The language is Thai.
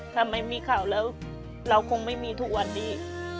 ถ้าไม่มีข่าวแล้วเราคงไม่มีทุกวันนี้